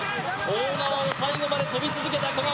大縄を最後まで跳び続けた古賀